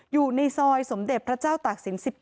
อยู่ในซอยสมเด็จพระเจ้าตักษิน